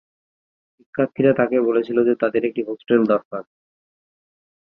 শিক্ষার্থীরা তাকে বলেছিল যে তাদের একটি হোস্টেল দরকার।